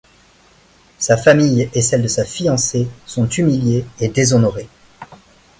Sa famille et celle de sa fiancée sont humiliées et déshonorées.